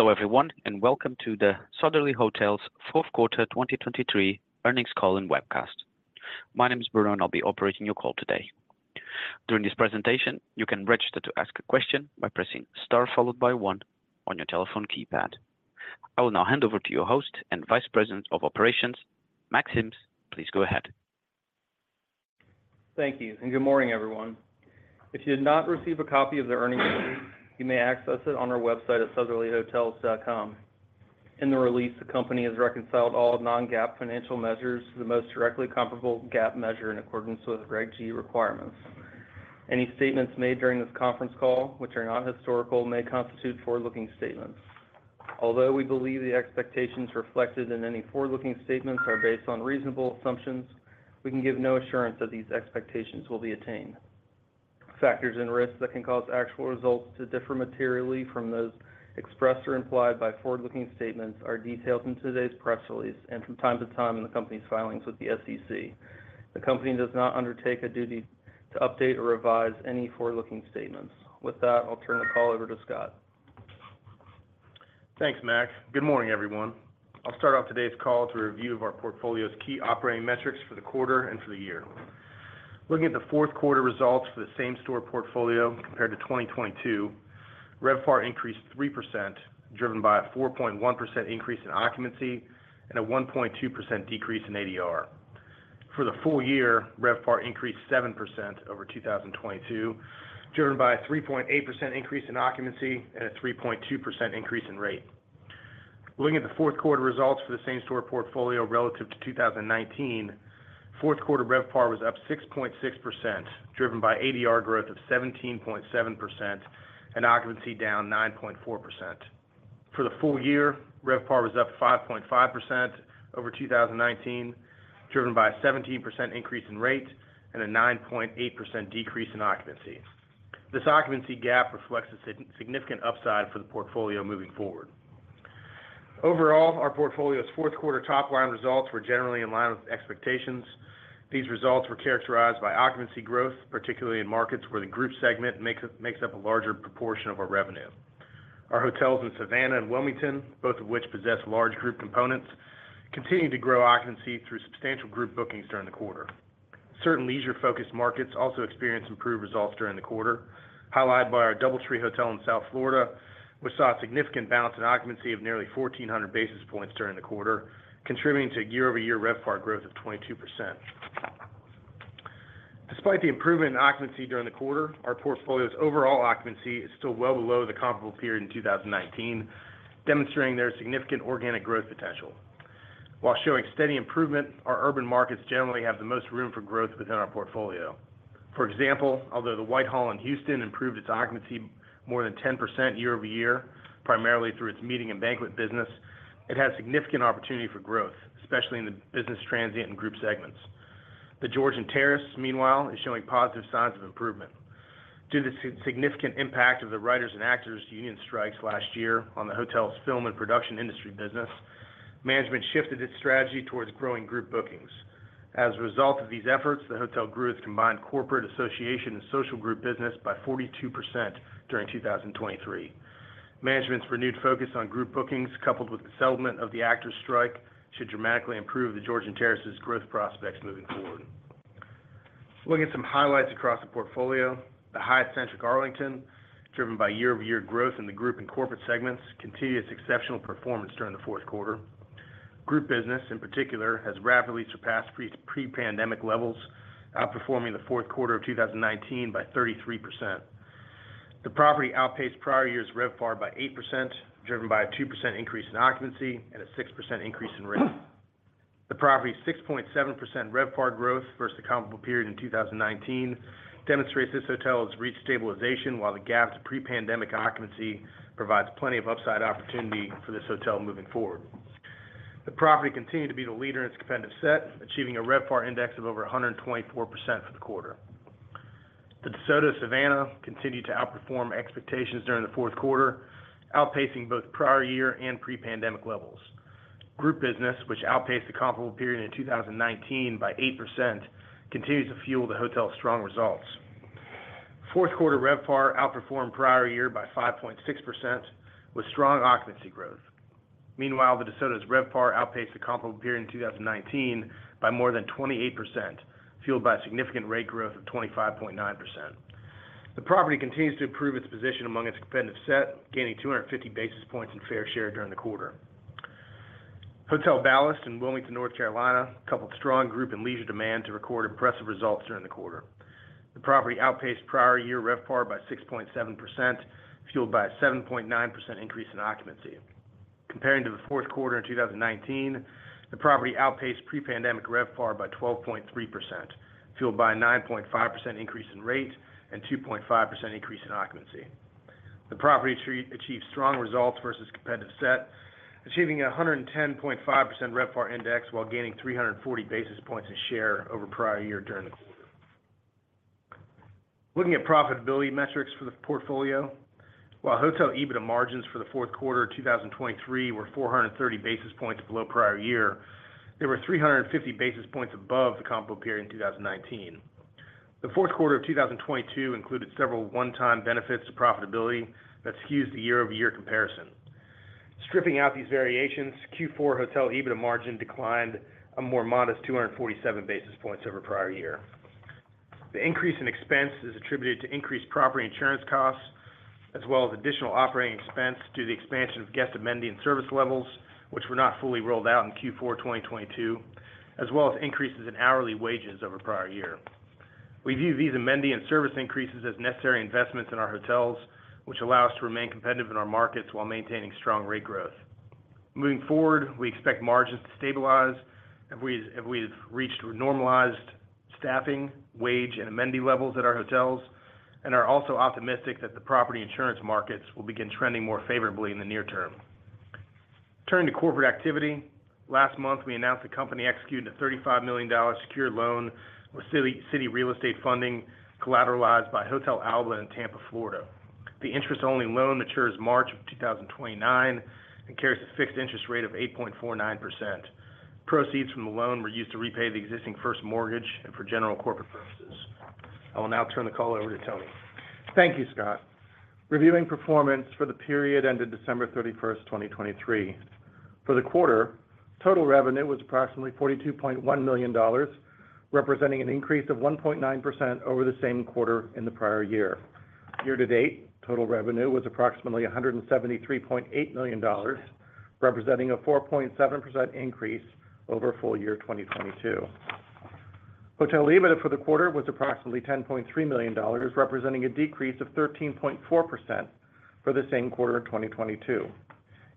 Hello, everyone, and welcome to the Sotherly Hotels fourth quarter 2023 earnings call and webcast. My name is Bruno, and I'll be operating your call today. During this presentation, you can register to ask a question by pressing star, followed by one on your telephone keypad. I will now hand over to your host and Vice President of Operations, Mack Sims. Please go ahead. Thank you, and good morning, everyone. If you did not receive a copy of the earnings release, you may access it on our website at sotherlyhotels.com. In the release, the company has reconciled all non-GAAP financial measures to the most directly comparable GAAP measure in accordance with Reg. G requirements. Any statements made during this conference call, which are not historical, may constitute forward-looking statements. Although we believe the expectations reflected in any forward-looking statements are based on reasonable assumptions, we can give no assurance that these expectations will be attained. Factors and risks that can cause actual results to differ materially from those expressed or implied by forward-looking statements are detailed in today's press release and from time to time in the company's filings with the SEC. The company does not undertake a duty to update or revise any forward-looking statements. With that, I'll turn the call over to Scott. Thanks, Mack. Good morning, everyone. I'll start off today's call with a review of our portfolio's key operating metrics for the quarter and for the year. Looking at the fourth quarter results for the same-store portfolio compared to 2022, RevPAR increased 3%, driven by a 4.1% increase in occupancy and a 1.2% decrease in ADR. For the full year, RevPAR increased 7% over 2022, driven by a 3.8% increase in occupancy and a 3.2% increase in rate. Looking at the fourth quarter results for the same-store portfolio relative to 2019, fourth quarter RevPAR was up 6.6%, driven by ADR growth of 17.7% and occupancy down 9.4%. For the full year, RevPAR was up 5.5% over 2019, driven by a 17% increase in rate and a 9.8% decrease in occupancy. This occupancy gap reflects a significant upside for the portfolio moving forward. Overall, our portfolio's fourth-quarter top-line results were generally in line with expectations. These results were characterized by occupancy growth, particularly in markets where the group segment makes up a larger proportion of our revenue. Our hotels in Savannah and Wilmington, both of which possess large group components, continued to grow occupancy through substantial group bookings during the quarter. Certain leisure-focused markets also experienced improved results during the quarter, highlighted by our DoubleTree hotel in South Florida, which saw a significant bounce in occupancy of nearly 1,400 basis points during the quarter, contributing to a year-over-year RevPAR growth of 22%. Despite the improvement in occupancy during the quarter, our portfolio's overall occupancy is still well below the comparable period in 2019, demonstrating their significant organic growth potential. While showing steady improvement, our urban markets generally have the most room for growth within our portfolio. For example, although The Whitehall in Houston improved its occupancy more than 10% year-over-year, primarily through its meeting and banquet business, it has significant opportunity for growth, especially in the business transient and group segments. The Georgian Terrace, meanwhile, is showing positive signs of improvement. Due to the significant impact of the writers and actors union strikes last year on the hotel's film and production industry business, management shifted its strategy towards growing group bookings. As a result of these efforts, the hotel grew its combined corporate, association, and social group business by 42% during 2023. Management's renewed focus on group bookings, coupled with the settlement of the actors strike, should dramatically improve The Georgian Terrace's growth prospects moving forward. Looking at some highlights across the portfolio, the Hyatt Centric Arlington, driven by year-over-year growth in the group and corporate segments, continued its exceptional performance during the fourth quarter. Group business, in particular, has rapidly surpassed pre-pandemic levels, outperforming the fourth quarter of 2019 by 33%. The property outpaced prior year's RevPAR by 8%, driven by a 2% increase in occupancy and a 6% increase in rate. The property's 6.7% RevPAR growth versus the comparable period in 2019 demonstrates this hotel has reached stabilization, while the gap to pre-pandemic occupancy provides plenty of upside opportunity for this hotel moving forward. The property continued to be the leader in its competitive set, achieving a RevPAR index of over 124% for the quarter. The DeSoto Savannah continued to outperform expectations during the fourth quarter, outpacing both prior year and pre-pandemic levels. Group business, which outpaced the comparable period in 2019 by 8%, continues to fuel the hotel's strong results. Fourth quarter RevPAR outperformed prior year by 5.6%, with strong occupancy growth. Meanwhile, The DeSoto's RevPAR outpaced the comparable period in 2019 by more than 28%, fueled by a significant rate growth of 25.9%. The property continues to improve its position among its competitive set, gaining 250 basis points in fair share during the quarter. Hotel Ballast in Wilmington, North Carolina, coupled strong group and leisure demand to record impressive results during the quarter. The property outpaced prior year RevPAR by 6.7%, fueled by a 7.9% increase in occupancy. Comparing to the fourth quarter in 2019, the property outpaced pre-pandemic RevPAR by 12.3%, fueled by a 9.5% increase in rate and 2.5% increase in occupancy. The property achieved strong results versus competitive set, achieving a 110.5% RevPAR index while gaining 340 basis points in share over prior year during the quarter. Looking at profitability metrics for the portfolio, while hotel EBITDA margins for the fourth quarter 2023 were 430 basis points below prior year, they were 350 basis points above the comparable period in 2019. The fourth quarter of 2022 included several one-time benefits to profitability that skews the year-over-year comparison. Stripping out these variations, Q4 hotel EBITDA margin declined a more modest 247 basis points over prior year. The increase in expense is attributed to increased property insurance costs, as well as additional operating expense due to the expansion of guest amenity and service levels, which were not fully rolled out in Q4 2022, as well as increases in hourly wages over prior year. We view these amenity and service increases as necessary investments in our hotels, which allow us to remain competitive in our markets while maintaining strong rate growth. Moving forward, we expect margins to stabilize if we've reached normalized staffing, wage, and amenity levels at our hotels, and are also optimistic that the property insurance markets will begin trending more favorably in the near term. Turning to corporate activity. Last month, we announced the company executed a $35 million secured loan with Citi Real Estate Funding, collateralized by Hotel Alba in Tampa, Florida. The interest-only loan matures in March 2029 and carries a fixed interest rate of 8.49%. Proceeds from the loan were used to repay the existing first mortgage and for general corporate purposes. I will now turn the call over to Tony. Thank you, Scott. Reviewing performance for the period ended December 31, 2023. For the quarter, total revenue was approximately $42.1 million, representing an increase of 1.9% over the same quarter in the prior year. Year to date, total revenue was approximately $173.8 million, representing a 4.7% increase over full-year 2022. Hotel EBITDA for the quarter was approximately $10.3 million, representing a decrease of 13.4% for the same quarter in 2022.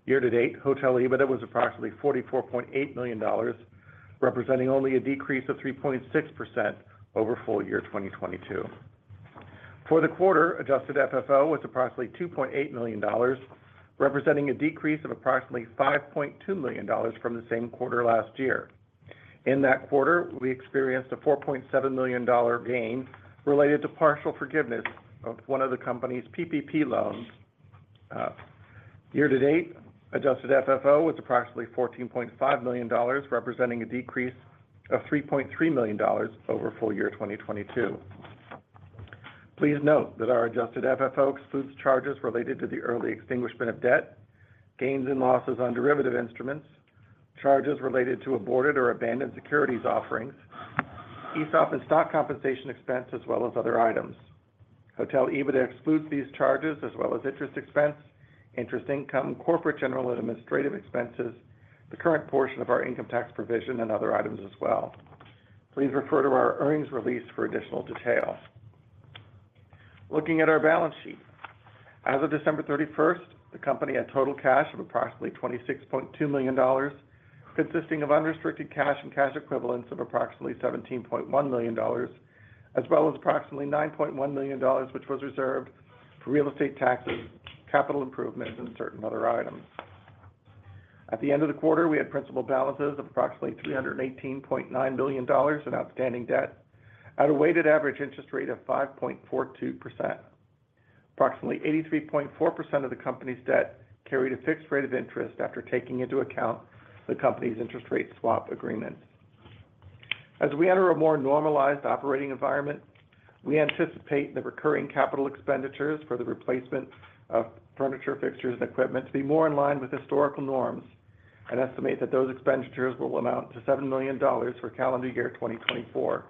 Year-to-date, Hotel EBITDA was approximately $44.8 million, representing only a decrease of 3.6% over full-year 2022. For the quarter, adjusted FFO was approximately $2.8 million, representing a decrease of approximately $5.2 million from the same quarter last year. In that quarter, we experienced a $4.7 million gain related to partial forgiveness of one of the company's PPP loans. Year-to-date, adjusted FFO was approximately $14.5 million, representing a decrease of $3.3 million over full year 2022. Please note that our adjusted FFO excludes charges related to the early extinguishment of debt, gains and losses on derivative instruments, charges related to aborted or abandoned securities offerings, ESOP and stock compensation expense, as well as other items. Hotel EBITDA excludes these charges, as well as interest expense, interest income, corporate general and administrative expenses, the current portion of our income tax provision, and other items as well. Please refer to our earnings release for additional detail. Looking at our balance sheet. As of December 31st, the company had total cash of approximately $26.2 million, consisting of unrestricted cash and cash equivalents of approximately $17.1 million, as well as approximately $9.1 million, which was reserved for real estate taxes, capital improvements, and certain other items. At the end of the quarter, we had principal balances of approximately $318.9 million in outstanding debt at a weighted average interest rate of 5.42%. Approximately 83.4% of the company's debt carried a fixed rate of interest after taking into account the company's interest rate swap agreement. As we enter a more normalized operating environment, we anticipate the recurring capital expenditures for the replacement of furniture, fixtures, and equipment to be more in line with historical norms, and estimate that those expenditures will amount to $7 million for calendar year 2024.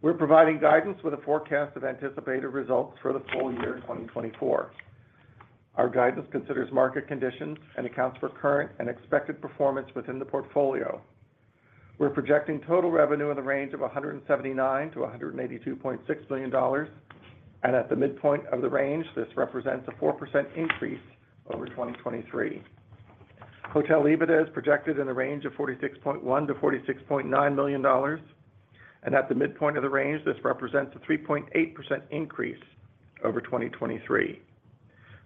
We're providing guidance with a forecast of anticipated results for the full year 2024. Our guidance considers market conditions and accounts for current and expected performance within the portfolio. We're projecting total revenue in the range of $179 million-$182.6 million, and at the midpoint of the range, this represents a 4% increase over 2023. Hotel EBITDA is projected in the range of $46.1 million-$46.9 million, and at the midpoint of the range, this represents a 3.8% increase over 2023.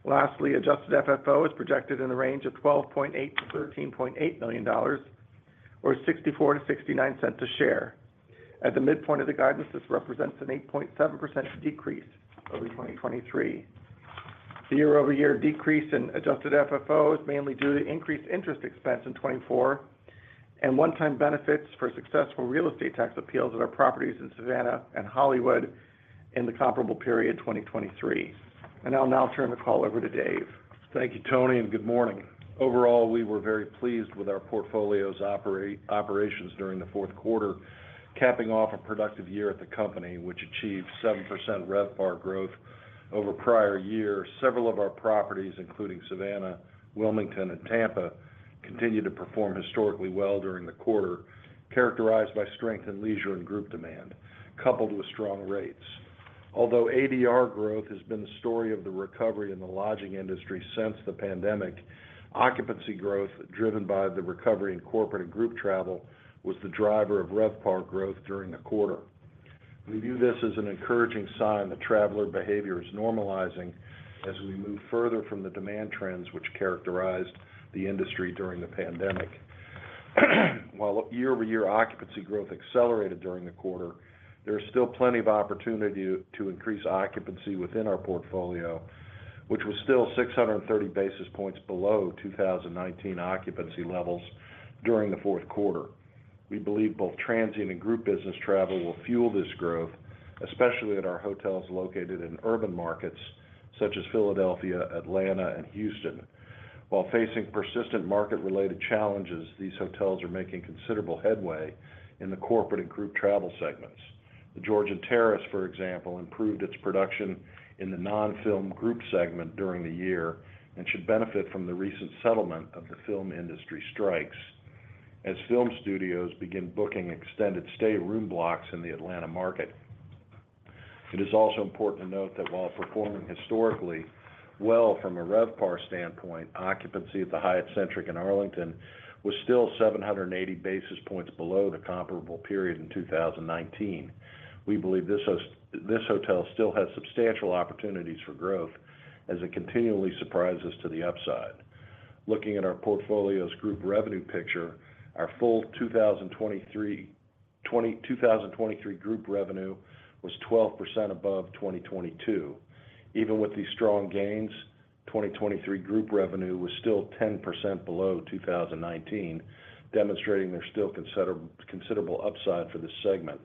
Lastly, adjusted FFO is projected in the range of $12.8 million-$13.8 million or $0.64-$0.69 a share. At the midpoint of the guidance, this represents an 8.7% decrease over 2023. The year-over-year decrease in adjusted FFO is mainly due to increased interest expense in 2024 and one-time benefits for successful real estate tax appeals at our properties in Savannah and Hollywood in the comparable period, 2023. And I'll now turn the call over to Dave. Thank you, Tony, and good morning. Overall, we were very pleased with our portfolio's operations during the fourth quarter, capping off a productive year at the company, which achieved 7% RevPAR growth over prior years. Several of our properties, including Savannah, Wilmington, and Tampa, continued to perform historically well during the quarter, characterized by strength in leisure and group demand, coupled with strong rates. Although ADR growth has been the story of the recovery in the lodging industry since the pandemic, occupancy growth, driven by the recovery in corporate and group travel, was the driver of RevPAR growth during the quarter. We view this as an encouraging sign that traveler behavior is normalizing as we move further from the demand trends which characterized the industry during the pandemic. While year-over-year occupancy growth accelerated during the quarter, there is still plenty of opportunity to increase occupancy within our portfolio, which was still 630 basis points below 2019 occupancy levels during the fourth quarter. We believe both transient and group business travel will fuel this growth, especially at our hotels located in urban markets such as Philadelphia, Atlanta, and Houston. While facing persistent market-related challenges, these hotels are making considerable headway in the corporate and group travel segments. The Georgian Terrace, for example, improved its production in the non-film group segment during the year and should benefit from the recent settlement of the film industry strikes as film studios begin booking extended stay room blocks in the Atlanta market. It is also important to note that while performing historically well from a RevPAR standpoint, occupancy at the Hyatt Centric in Arlington was still 780 basis points below the comparable period in 2019. We believe this hotel still has substantial opportunities for growth as it continually surprises to the upside. Looking at our portfolio's group revenue picture, our full 2023 group revenue was 12% above 2022. Even with these strong gains, 2023 group revenue was still 10% below 2019, demonstrating there's still considerable upside for this segment.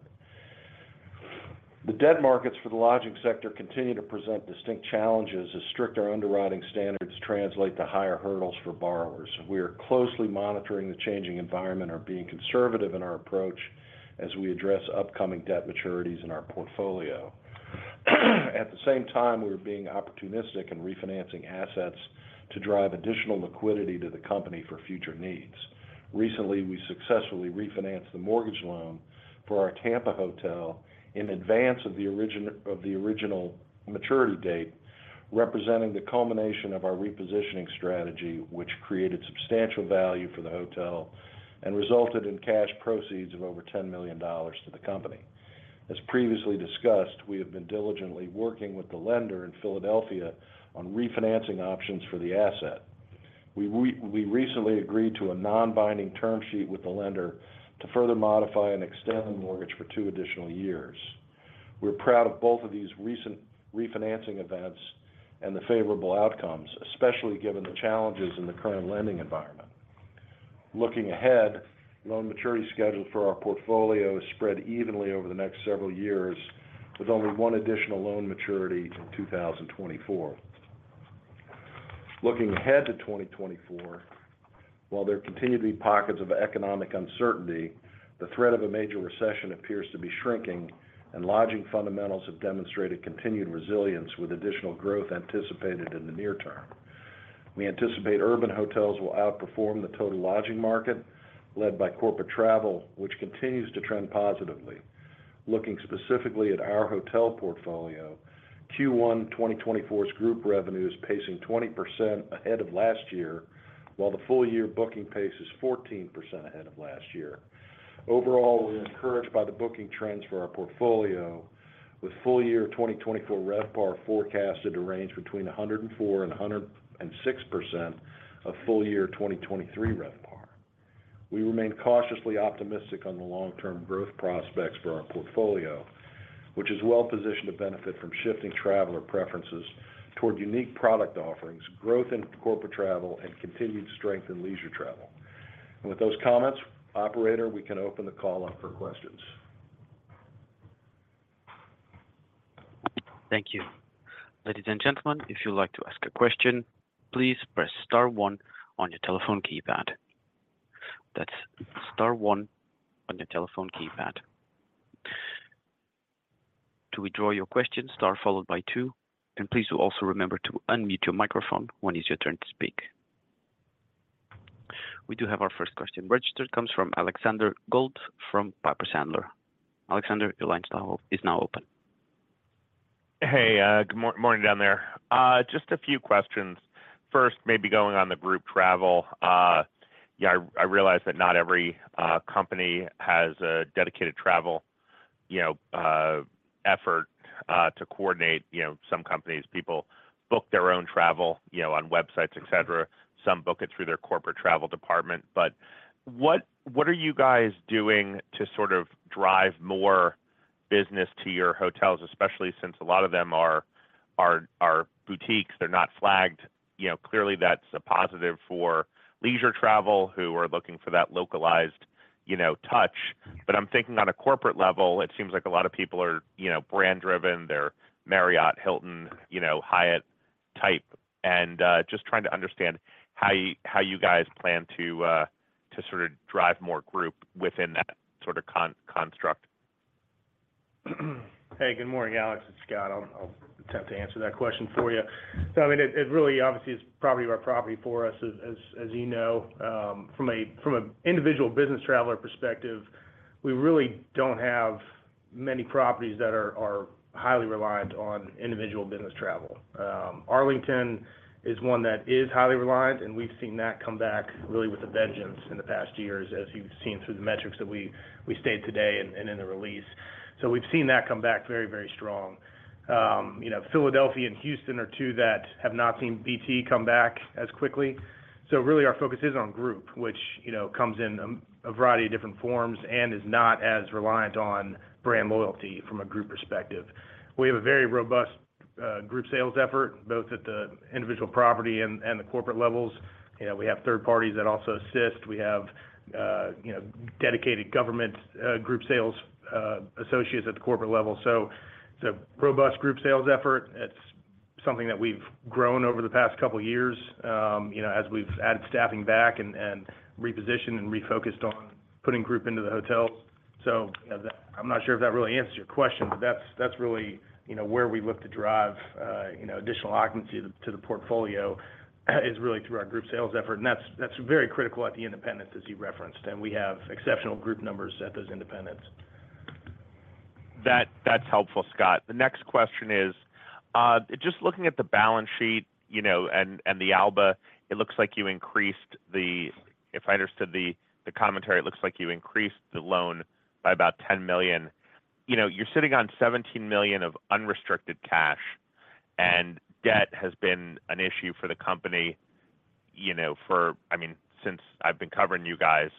The debt markets for the lodging sector continue to present distinct challenges as stricter underwriting standards translate to higher hurdles for borrowers. We are closely monitoring the changing environment and are being conservative in our approach as we address upcoming debt maturities in our portfolio. At the same time, we are being opportunistic in refinancing assets to drive additional liquidity to the company for future needs. Recently, we successfully refinanced the mortgage loan for our Tampa hotel in advance of the original maturity date, representing the culmination of our repositioning strategy, which created substantial value for the hotel and resulted in cash proceeds of over $10 million to the company. As previously discussed, we have been diligently working with the lender in Philadelphia on refinancing options for the asset. We recently agreed to a non-binding term sheet with the lender to further modify and extend the mortgage for two additional years. We're proud of both of these recent refinancing events and the favorable outcomes, especially given the challenges in the current lending environment. Looking ahead, loan maturity schedule for our portfolio is spread evenly over the next several years, with only one additional loan maturity in 2024. Looking ahead to 2024, while there continue to be pockets of economic uncertainty, the threat of a major recession appears to be shrinking, and lodging fundamentals have demonstrated continued resilience with additional growth anticipated in the near term. We anticipate urban hotels will outperform the total lodging market, led by corporate travel, which continues to trend positively. Looking specifically at our hotel portfolio, Q1 2024's group revenue is pacing 20% ahead of last year, while the full-year booking pace is 14% ahead of last year. Overall, we're encouraged by the booking trends for our portfolio, with full year 2024 RevPAR forecasted to range between 104% and 106% of full year 2023 RevPAR. We remain cautiously optimistic on the long-term growth prospects for our portfolio, which is well positioned to benefit from shifting traveler preferences toward unique product offerings, growth in corporate travel, and continued strength in leisure travel. With those comments, operator, we can open the call up for questions. Thank you. Ladies and gentlemen, if you'd like to ask a question, please press star one on your telephone keypad. That's star one on your telephone keypad. To withdraw your question, star followed by two, and please also remember to unmute your microphone when it's your turn to speak. We do have our first question registered. It comes from Alexander Goldfarb, from Piper Sandler. Alexander, your line is now, is now open. Hey, good morning down there. Just a few questions. First, maybe going on the group travel. Yeah, I realize that not every company has a dedicated travel, you know, effort to coordinate. You know, some companies, people book their own travel, you know, on websites, et cetera. Some book it through their corporate travel department. But what are you guys doing to sort of drive more business to your hotels, especially since a lot of them are boutiques, they're not flagged? You know, clearly, that's a positive for leisure travel, who are looking for that localized, you know, touch. But I'm thinking on a corporate level, it seems like a lot of people are, you know, brand-driven. They're Marriott, Hilton, you know, Hyatt type, and just trying to understand how you, how you guys plan to sort of drive more group within that sort of construct. Hey, good morning, Alex, it's Scott. I'll attempt to answer that question for you. So, I mean, it really obviously is property over property for us, as you know. From an individual business traveler perspective, we really don't have many properties that are highly reliant on individual business travel. Arlington is one that is highly reliant, and we've seen that come back really with a vengeance in the past years, as you've seen through the metrics that we stated today and in the release. So we've seen that come back very, very strong. You know, Philadelphia and Houston are two that have not seen BT come back as quickly. So really, our focus is on group, which, you know, comes in a variety of different forms and is not as reliant on brand loyalty from a group perspective. We have a very robust-group sales effort, both at the individual property and the corporate levels. You know, we have third parties that also assist. We have, you know, dedicated government group sales associates at the corporate level. So it's a robust group sales effort. It's something that we've grown over the past couple of years, you know, as we've added staffing back and repositioned and refocused on putting group into the hotel. So, you know, I'm not sure if that really answers your question, but that's really, you know, where we look to drive, you know, additional occupancy to the portfolio, is really through our group sales effort. And that's very critical at the Independents, as you referenced, and we have exceptional group numbers at those Independents. That, that's helpful, Scott. The next question is, just looking at the balance sheet, you know, and the Alba, it looks like you increased the, if I understood the commentary, it looks like you increased the loan by about $10 million. You know, you're sitting on $17 million of unrestricted cash, and debt has been an issue for the company, you know, for, I mean, since I've been covering you guys.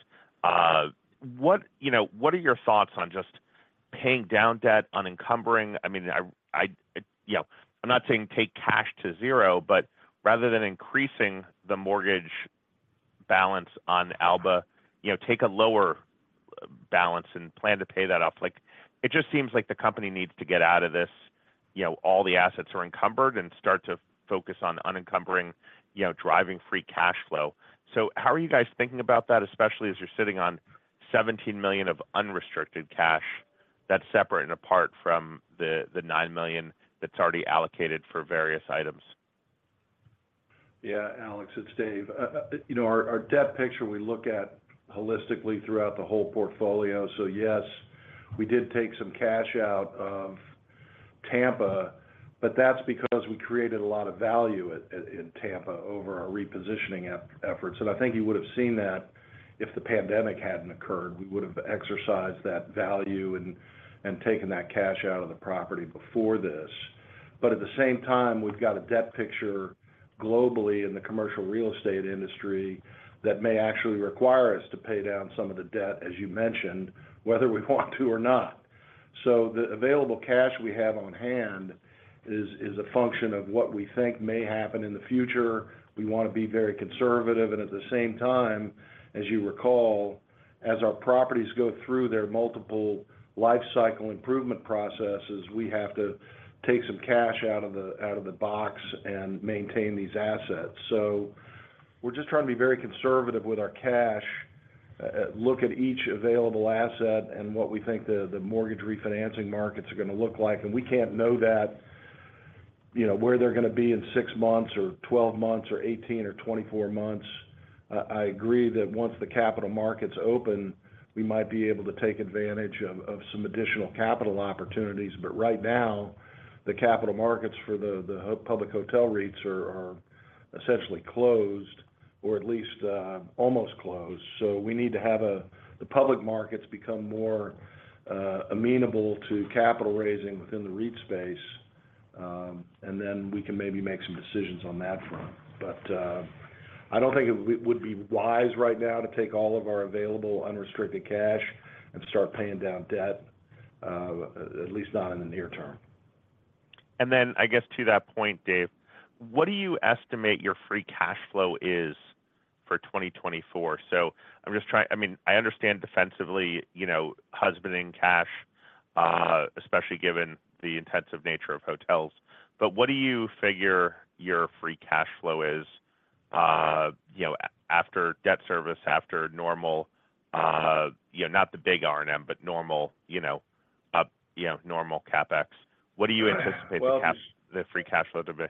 What, you know, what are your thoughts on just paying down debt, unencumbering? I mean, you know, I'm not saying take cash to zero, but rather than increasing the mortgage balance on Alba, you know, take a lower balance and plan to pay that off. Like, it just seems like the company needs to get out of this, you know, all the assets are encumbered and start to focus on unencumbering, you know, driving free cash flow. So how are you guys thinking about that, especially as you're sitting on $17 million of unrestricted cash that's separate and apart from the, the $9 million that's already allocated for various items? Yeah, Alex, it's Dave. You know, our debt picture, we look at holistically throughout the whole portfolio. So yes, we did take some cash out of Tampa, but that's because we created a lot of value in Tampa over our repositioning efforts. And I think you would have seen that if the pandemic hadn't occurred, we would have exercised that value and taken that cash out of the property before this. But at the same time, we've got a debt picture globally in the commercial real estate industry that may actually require us to pay down some of the debt, as you mentioned, whether we want to or not. So the available cash we have on hand is a function of what we think may happen in the future. We want to be very conservative, and at the same time, as you recall, as our properties go through their multiple life cycle improvement processes, we have to take some cash out of the box and maintain these assets. So we're just trying to be very conservative with our cash, look at each available asset and what we think the mortgage refinancing markets are gonna look like. And we can't know that, you know, where they're gonna be in six months or 12 months or 18 or 24 months. I agree that once the capital markets open, we might be able to take advantage of some additional capital opportunities, but right now, the capital markets for the public hotel REITs are essentially closed, or at least almost closed. So we need to have the public markets become more amenable to capital raising within the REIT space, and then we can maybe make some decisions on that front. But, I don't think it would be wise right now to take all of our available unrestricted cash and start paying down debt, at least not in the near term. And then, I guess, to that point, Dave, what do you estimate your free cash flow is for 2024? So I'm just trying, I mean, I understand defensively, you know, husbanding cash, especially given the intensive nature of hotels, but what do you figure your free cash flow is, you know, after debt service, after normal, you know, not the big R&M, but normal, you know, normal CapEx? What do you anticipate the free cash flow to be?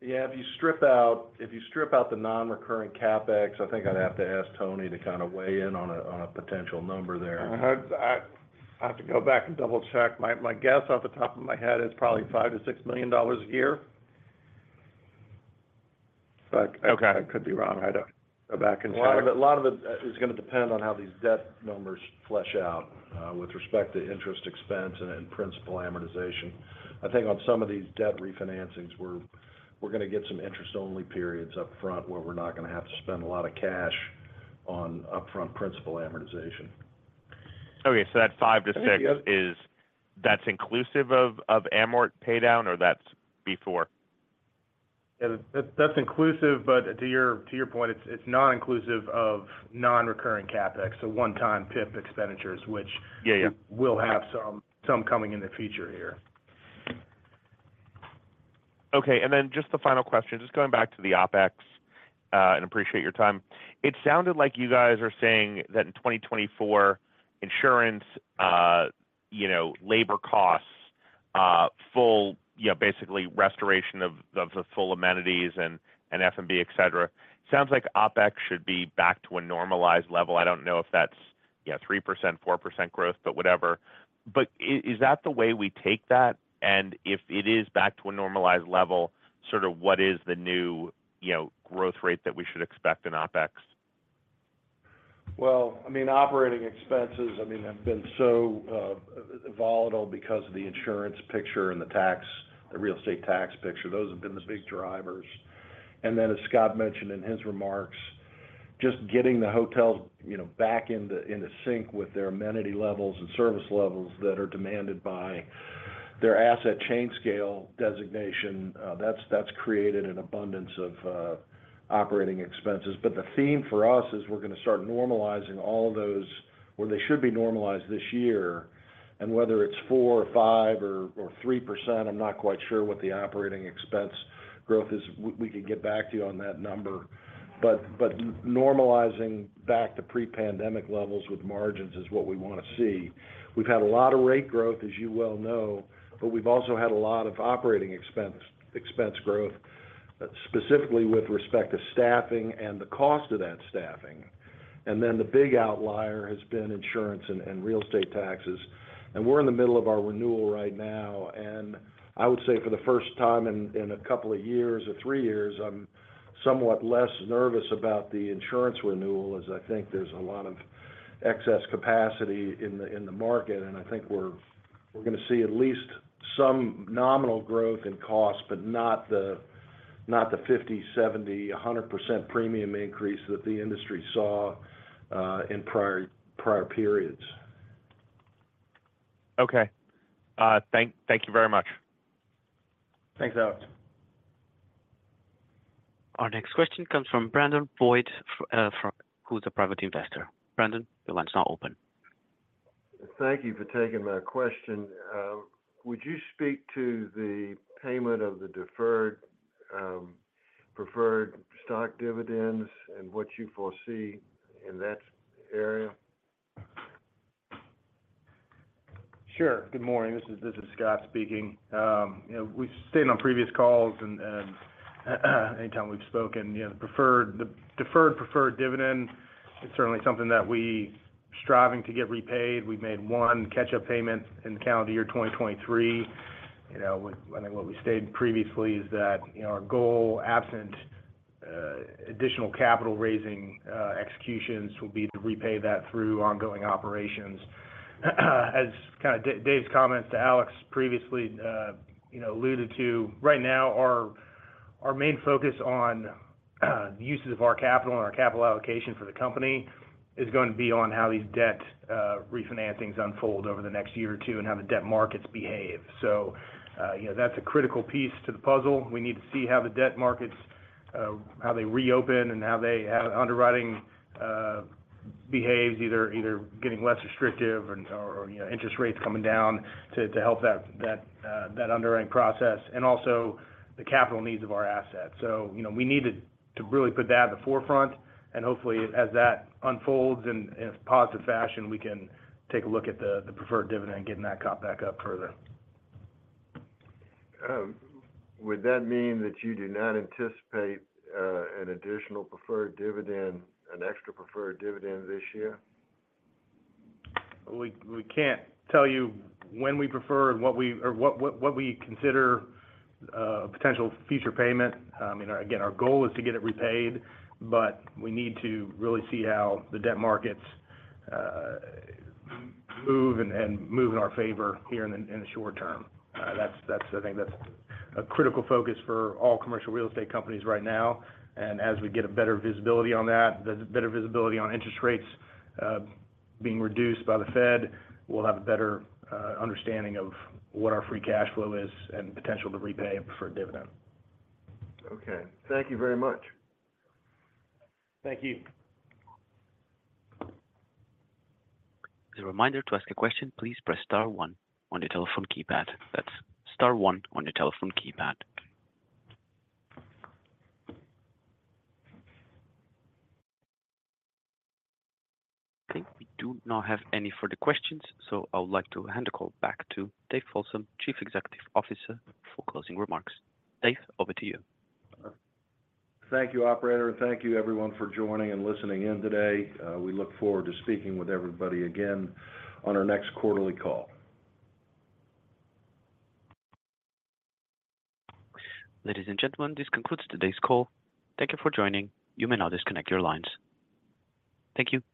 Yeah, if you strip out, if you strip out the non-recurring CapEx, I think I'd have to ask Tony to kind of weigh in on a potential number there. I have to go back and double-check. My guess off the top of my head is probably $5 million-$6 million a year. But I could be wrong. I'd have to go back and check. A lot of it is gonna depend on how these debt numbers flesh out, with respect to interest expense and principal amortization. I think on some of these debt refinancings, we're gonna get some interest-only periods up front, where we're not gonna have to spend a lot of cash on upfront principal amortization. Okay, so that $5 million-$6 million, that's inclusive of amort paydown or that's before? Yeah, that's inclusive, but to your point, it's non-inclusive of non-recurring CapEx, so one-time PIP expenditures, which- Yeah, yeah We'll have some coming in the future here. Okay, and then just the final question, just going back to the OpEx, and appreciate your time. It sounded like you guys are saying that in 2024, insurance, you know, labor costs, full, you know, basically restoration of, of the full amenities and, and F&B, et cetera, sounds like OpEx should be back to a normalized level. I don't know if that's, you know, 3%, 4% growth, but whatever. But is that the way we take that? And if it is back to a normalized level, sort of what is the new, you know, growth rate that we should expect in OpEx? Well, I mean, operating expenses, I mean, have been so volatile because of the insurance picture and the tax, the real estate tax picture. Those have been the big drivers. And then, as Scott mentioned in his remarks, just getting the hotels, you know, back into sync with their amenity levels and service levels that are demanded by their asset chain scale designation, that's created an abundance of operating expenses. But the theme for us is we're gonna start normalizing all those, or they should be normalized this year, and whether it's 4% or 5% or 3%, I'm not quite sure what the operating expense growth is. We can get back to you on that number, but normalizing back to pre-pandemic levels with margins is what we wanna see. We've had a lot of rate growth, as you well know, but we've also had a lot of operating expense, expense growth, specifically with respect to staffing and the cost of that staffing. And then the big outlier has been insurance and real estate taxes, and we're in the middle of our renewal right now. And I would say, for the first time in a couple of years or three years, I'm somewhat less nervous about the insurance renewal, as I think there's a lot of excess capacity in the market. And I think we're gonna see at least some nominal growth in costs, but not the 50%, 70%, 100% premium increase that the industry saw in prior periods. Okay. Thank you very much. Thanks, Alex. Our next question comes from Brandon Boyd, who's a private investor. Brandon, your line's now open. Thank you for taking my question. Would you speak to the payment of the deferred preferred stock dividends and what you foresee in that area? Sure. Good morning. This is, this is Scott speaking. You know, we've stated on previous calls and, and anytime we've spoken, you know, the preferred- the deferred preferred dividend, it's certainly something that we striving to get repaid. We've made one catch-up payment in the calendar year, 2023. You know, I think what we stated previously is that, you know, our goal, absent additional capital raising executions, will be to repay that through ongoing operations. As kinda Dave's comments to Alex previously, you know, alluded to, right now, our main focus on the uses of our capital and our capital allocation for the company is gonna be on how these debt refinancings unfold over the next year or two and how the debt markets behave. So, you know, that's a critical piece to the puzzle. We need to see how the debt markets, how they reopen and how the underwriting behaves, either getting less restrictive and or, you know, interest rates coming down to help that underwriting process, and also the capital needs of our assets. So, you know, we need to really put that at the forefront, and hopefully, as that unfolds in a positive fashion, we can take a look at the preferred dividend and getting that caught back up further. Would that mean that you do not anticipate an additional preferred dividend, an extra preferred dividend this year? We can't tell you when we prefer and what we consider a potential future payment. You know, again, our goal is to get it repaid, but we need to really see how the debt markets move and move in our favor here in the short term. That's, I think, a critical focus for all commercial real estate companies right now, and as we get a better visibility on that, the better visibility on interest rates being reduced by the Fed, we'll have a better understanding of what our free cash flow is and potential to repay a preferred dividend. Okay. Thank you very much. Thank you. As a reminder, to ask a question, please press star one on your telephone keypad. That's star one on your telephone keypad. I think we do not have any further questions, so I would like to hand the call back to Dave Folsom, Chief Executive Officer, for closing remarks. Dave, over to you. Thank you, operator, and thank you, everyone, for joining and listening in today. We look forward to speaking with everybody again on our next quarterly call. Ladies and gentlemen, this concludes today's call. Thank you for joining. You may now disconnect your lines. Thank you.